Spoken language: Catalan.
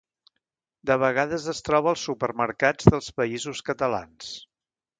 De vegades es troba als supermercats dels Països Catalans.